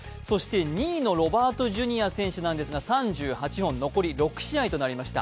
２位のロバート・ジュニア選手は３８本、残り６試合となりました。